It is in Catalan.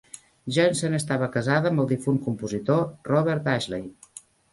Johnson estava casada amb el difunt compositor Robert Ashley.